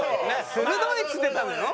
「鋭い」っつってたのよ？